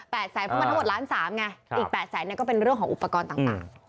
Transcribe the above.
เพราะมันทั้งหมดล้านสามไงอีก๘แสนก็เป็นเรื่องของอุปกรณ์ต่าง